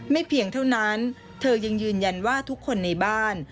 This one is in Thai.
เพียงเท่านั้นเธอยังยืนยันว่าทุกคนในบ้าน